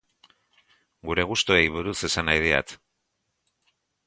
Gure gustuei buruz esan nahi diat.